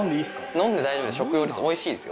飲んで大丈夫食用です